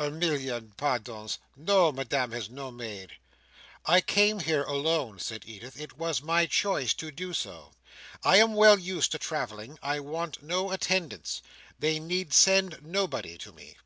"A million pardons! No! Madame had no maid!" "I came here alone," said Edith "It was my choice to do so. I am well used to travelling; I want no attendance. They need send nobody to me.